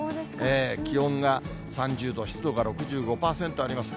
気温が３０度、湿度が６５％あります。